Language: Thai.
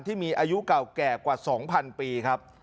ที่มีอายุเก่าแก่กว่า๒๐๐ปีครับ